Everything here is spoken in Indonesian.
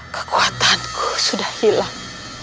kekuatanku sudah hilang